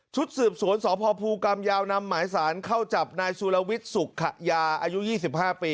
สืบสวนสพภูกรรมยาวนำหมายสารเข้าจับนายสุรวิทย์สุขยาอายุ๒๕ปี